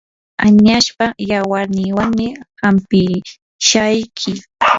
añaspa yawarninwanmi hanpishayki.